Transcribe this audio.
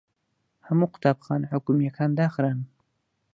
هەموو قوتابخانە حکوومییەکان داخران.